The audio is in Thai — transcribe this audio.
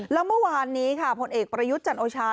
แล้วเมื่อวานนี้ค่ะผลเอกประยุทธ์จันโอชา